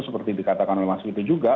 seperti dikatakan oleh mas fit itu juga